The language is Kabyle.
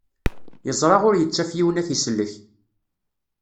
Yeẓra ur yettaf yiwen ad t-isellek.